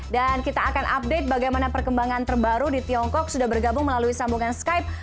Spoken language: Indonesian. dan kita akan update bagaimana perkembangan terbaru di tiongkok sudah bergabung melalui sambungan skype